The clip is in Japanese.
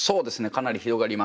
かなり広がりましたね。